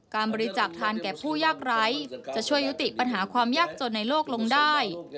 การบริจาคทานแก่ผู้ยากไร้จะช่วยยุติปัญหาความยากจนในโลกลงได้